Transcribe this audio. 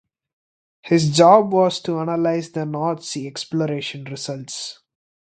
His job was to analyse the North Sea exploration results.